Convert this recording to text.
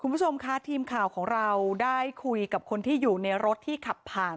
คุณผู้ชมค่ะทีมข่าวของเราได้คุยกับคนที่อยู่ในรถที่ขับผ่าน